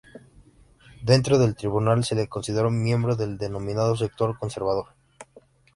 Dentro del Tribunal se le consideró miembro del denominado "sector conservador".